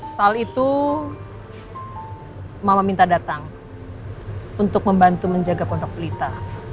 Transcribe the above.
soal itu mama minta datang untuk membantu menjaga pondok pelita